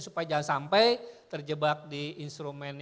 supaya jangan sampai terjebak di instrumen